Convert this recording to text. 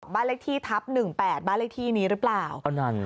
บ้านเลขที่ทับหนึ่งแปดบ้านเลขที่นี้หรือเปล่า